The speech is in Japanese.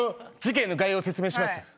事件の概要を説明します。